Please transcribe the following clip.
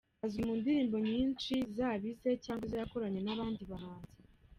Azwi mu ndirimbo nyinshi zaba ize cyangwa izo yakoranye n’abandi bahanzi.